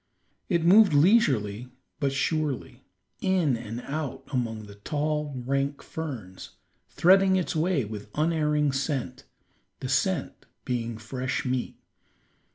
It moved leisurely but surely, in and out among the tall, rank ferns, threading its way with unerring scent, the scent being fresh meat.